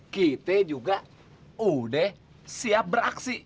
kita juga udah siap beraksi